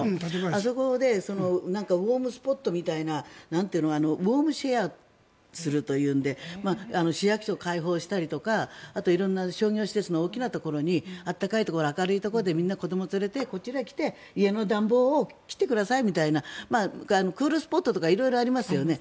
あそこでウォームスポットみたいなウォームシェアするというので市役所を開放したりとかあと、色んな商業施設の大きなところに暖かいところ、明るいところにみんな連れてきてこちらに来て、家の暖房を切ってくださいみたいなクールスポットとか色々ありますよね。